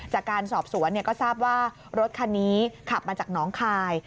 จากการสอบสวนก็ทราบว่ารถคันนี้ขับมาจากน้องคาย